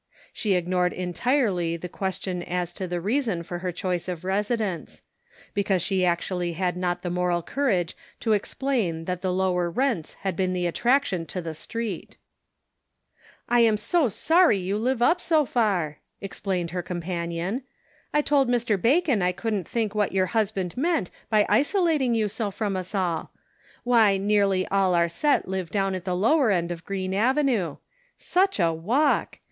She ignored entirely the ques tion as to the reason for her choice of residence; because she actually had not the moral courage to explain that the lower rents had been the attraction to the street !" I am sorry you live up so far," explained her companion ;" I told Mr. Bacon I couldn't think what your husband meant by isolating you so from us all. Why nearly all our set live down at the lower end of Green Avenue. Such a walk